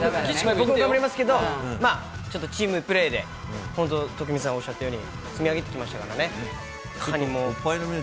僕も頑張りますけど、ちょっとチームプレーで、本当、徳光さん、おっしゃったように、積み上げてきましたからね、カニも。